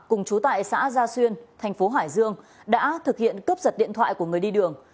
cùng chú tại xã gia xuyên thành phố hải dương đã thực hiện cướp giật điện thoại của người đi đường